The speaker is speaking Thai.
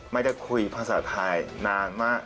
ไม่ได้คุยภาษาไทยนานมาก